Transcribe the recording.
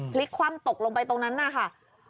พลิกคว่ำตกลงไปตรงนั้นน่ะค่ะ